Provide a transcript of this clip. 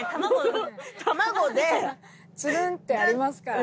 つるんってありますから。